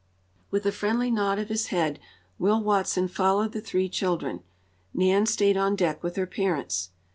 With a friendly nod of his head Will Watson followed the three children. Nan stayed on deck with her parents.